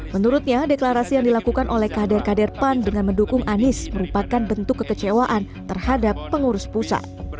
menurutnya deklarasi yang dilakukan oleh kader kader pan dengan mendukung anies merupakan bentuk kekecewaan terhadap pengurus pusat